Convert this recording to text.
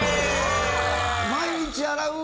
毎日洗う？